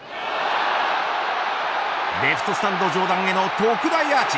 レフトスタンド上段への特大アーチ。